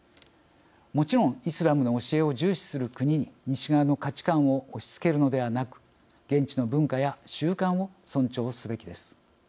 もちろん、イスラムの教えを重視する国に西側の価値観を押しつけるのではなく現地の文化や習慣を尊重すべきです。